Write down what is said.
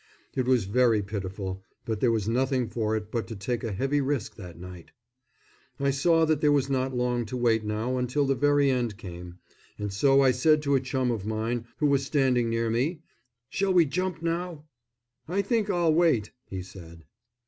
It was very pitiful, but there was nothing for it but to take a heavy risk that night. I saw that there was not long to wait now until the very end came, and so I said to a chum of mine, who was standing near me, "Shall we jump now?" "I think I'll wait," he said.